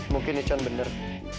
mungkin itu kan bener